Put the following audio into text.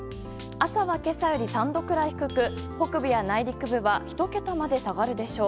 朝は今朝より３度くらい低く北部や内陸部は１桁まで下がるでしょう。